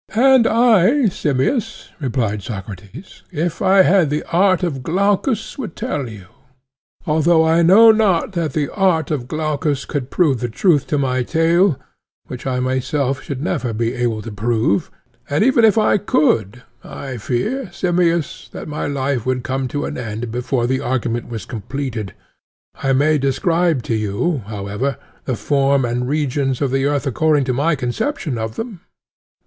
And I, Simmias, replied Socrates, if I had the art of Glaucus would tell you; although I know not that the art of Glaucus could prove the truth of my tale, which I myself should never be able to prove, and even if I could, I fear, Simmias, that my life would come to an end before the argument was completed. I may describe to you, however, the form and regions of the earth according to my conception of them.